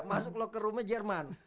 masuk locker room nya jerman